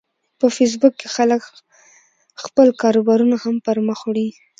په فېسبوک کې خلک خپل کاروبارونه هم پرمخ وړي